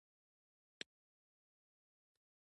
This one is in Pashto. د زیاترو خلکو په جامو کې پیوندونه له ورايه ښکارېدل.